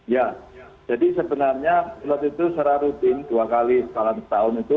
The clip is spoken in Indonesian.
jadi sebenarnya pilot itu secara rutin dua kali setahun itu